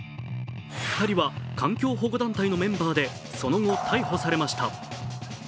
２人は環境保護団体のメンバーでその後、逮捕されました。